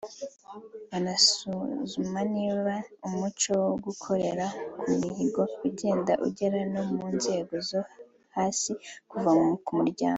Banasuzuma niba umuco wo gukorera ku mihigo ugenda ugera no mu nzego zo hasi kuva ku muryango